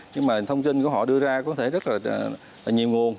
nhưng mà thông tin của họ đưa ra có thể rất là nhiều nguồn